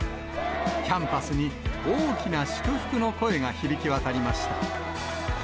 キャンパスに大きな祝福の声が響き渡りました。